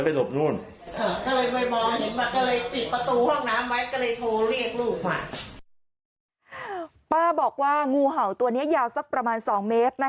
ป้าบอกว่างูเห่าตัวนี้ยาวสักประมาณ๒เมตร